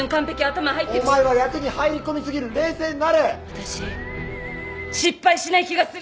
私失敗しない気がする。